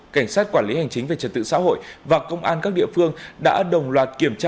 cảnh sát quản lý hành chính về trật tự xã hội và công an các địa phương đã đồng loạt kiểm tra